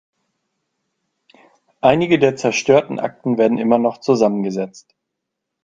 Einige der zerstörten Akten werden immer noch zusammengesetzt.